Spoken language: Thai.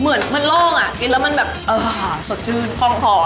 เหมือนมันโล่งอ่ะกินแล้วมันแบบสดชื่นคล่องท้อง